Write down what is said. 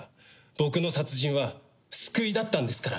僕の殺人は救いだったんですから。